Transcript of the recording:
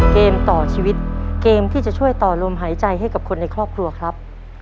เกมต่อชีวิตเกมที่จะช่วยต่อลมหายใจให้กับคนในครอบครัวครับ